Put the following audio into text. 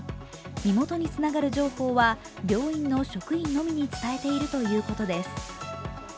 身元につながる情報は、病院の職員のみに伝えているということです。